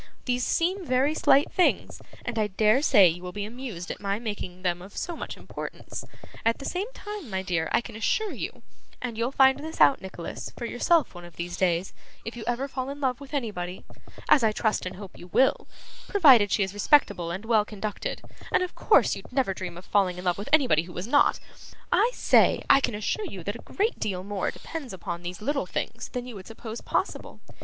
These seem very slight things, and I dare say you will be amused at my making them of so much importance; at the same time, my dear, I can assure you (and you'll find this out, Nicholas, for yourself one of these days, if you ever fall in love with anybody; as I trust and hope you will, provided she is respectable and well conducted, and of course you'd never dream of falling in love with anybody who was not), I say, I can assure you that a great deal more depends upon these little things than you would suppose possible.